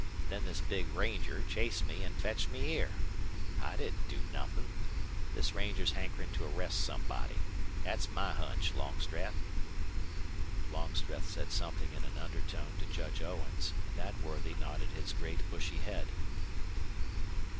Then this big ranger chased me an' fetched me here. I didn't do nothin'. This ranger's hankerin' to arrest somebody. Thet's my hunch, Longstreth." Longstreth said something in an undertone to Judge Owens, and that worthy nodded his great bushy head.